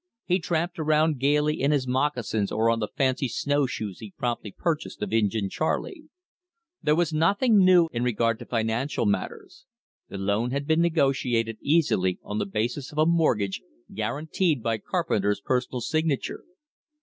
He tramped around gaily in his moccasins or on the fancy snowshoes he promptly purchased of Injin Charley. There was nothing new to report in regard to financial matters. The loan had been negotiated easily on the basis of a mortgage guaranteed by Carpenter's personal signature.